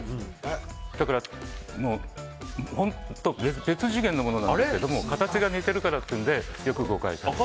だから別次元のものなんですけど形が似ているからというのでよく誤解されます。